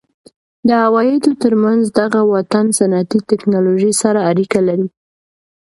د عوایدو ترمنځ دغه واټن صنعتي ټکنالوژۍ سره اړیکه لري.